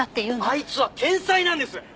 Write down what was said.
あいつは天才なんです！